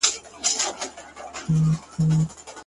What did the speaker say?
ستا دپښو سپين پايزيبونه زما بدن خوري؛